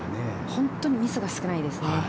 本当にミスが少ないですね。